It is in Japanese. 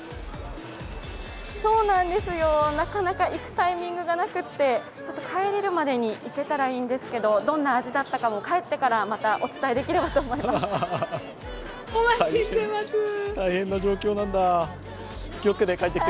なかなか行くタイミングがなくて帰れるまでに行けたらいいんですけど、どんな味だったかも帰ってからまたお伝えできればと思います。